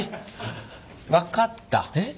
分かった！